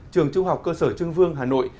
trường trung học cơ sở trương vương hà nội